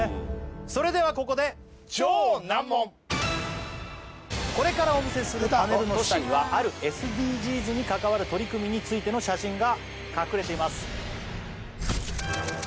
それではここでこれからお見せするパネルの都市はあるＳＤＧｓに関わる取り組みについての写真が隠れています